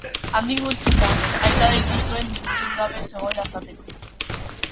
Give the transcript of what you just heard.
Handik gutxira, aita deitu zuen dirurik gabe zegoela esateko.